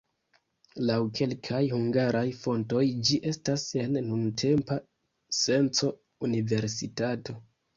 Laŭ kelkaj hungaraj fontoj ĝi estas en nuntempa senco universitato.